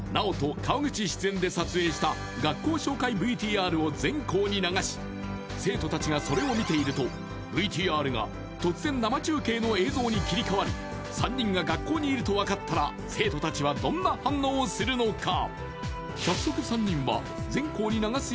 川口出演で撮影した学校紹介ＶＴＲを全校に流し生徒達がそれを見ているとＶＴＲが突然生中継の映像に切り替わり３人が学校にいるとわかったら生徒達はどんな反応をするのか？